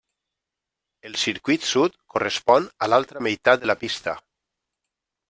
El circuit Sud correspon a l'altra meitat de la pista.